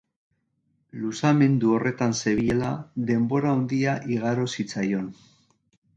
Luzamendu horretan zebilela, denbora handia igaro zitzaion.